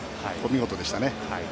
見事でしたね。